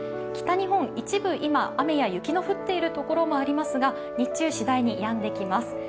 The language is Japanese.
北日本、今、一部、雨や雪が降っている所もありますが日中、しだいにやんできます。